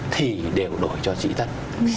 thì đều đổi cho trị tật